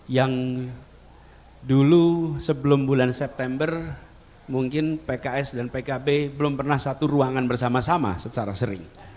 yang dulu sebelum bulan september mungkin pks dan pkb belum pernah satu ruangan bersama sama secara sering